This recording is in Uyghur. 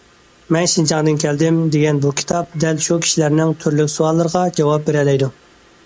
« مەن شىنجاڭدىن كەلدىم» دېگەن بۇ كىتاب دەل شۇ كىشىلەرنىڭ تۈرلۈك سوئاللىرىغا جاۋاب بېرەلەيدۇ.